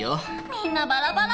みんなバラバラ。